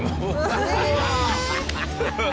ハハハハ！